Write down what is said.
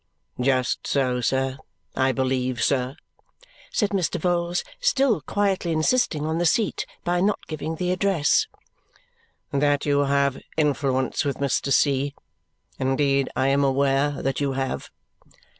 "Just so, sir. I believe, sir," said Mr. Vholes, still quietly insisting on the seat by not giving the address, "that you have influence with Mr. C. Indeed I am aware that you have."